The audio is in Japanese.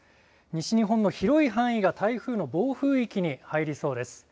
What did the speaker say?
西日本の広い範囲が台風の暴風域に入りそうです。